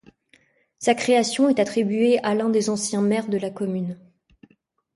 Sa création est attribuée a l'un des anciens maires de la commune.